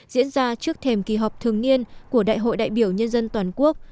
diễn ra trước thềm kỳ họp thường niên của đại hội đại biểu nhân dân toàn quốc